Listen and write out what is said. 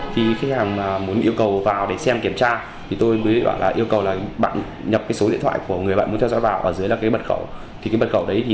khi muốn yêu cầu vào để xem kiểm tra tôi mới yêu cầu nhập số điện thoại của người bạn muốn theo dõi vào và dưới là bật khẩu